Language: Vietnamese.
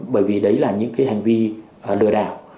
bởi vì đấy là những cái hành vi lừa đảo